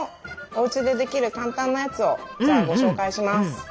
おうちでできる簡単なやつをじゃあご紹介します。